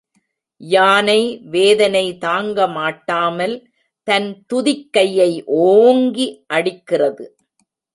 யானை வேதனை தாங்கமாட்டாமல் தன் துதிக்கையை ஓங்கி அடிக்கிறது.